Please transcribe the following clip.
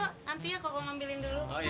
nanti ya koko ngambilin dulu